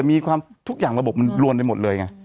มีความทุกอย่างระบบมันลวนไปหมดเลยไง